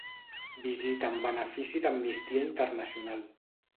Visita en benefici d"Amnistia Internacional.